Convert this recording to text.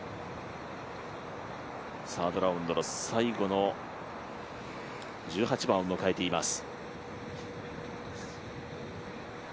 サードラウンドの最後の１８番を迎えています。